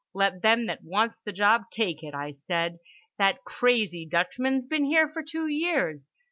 'Let them that wants the job take it' I said. That crazy Dutchman's been here for two years.